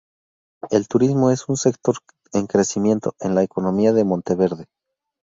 El turismo es un sector en crecimiento en la economía de Monteverde.